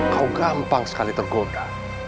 kau gampang sekali tergoda